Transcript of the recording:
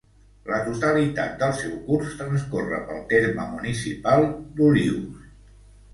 La totalitat del seu curs transcorre pel terme municipal d'Olius.